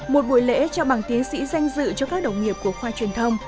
một buổi lễ cho bằng tiến sĩ danh dự cho các đồng nghiệp của khoa truyền thông